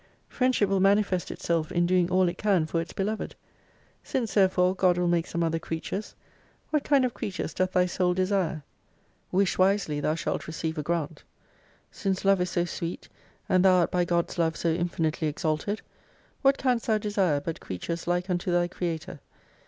Friendship will manifest itself in doing all it can for its beloved. Since therefore God will make some other creatures, what kind of creatures doth thy Soul desire ? IVis/i zvise/y thou shalt receive a gra?it Since Love is so sweet, and thou art by God's Love so infinitely exalted : what canst thou desire but creatures like unto Thy creator